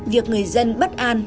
việc người dân bất an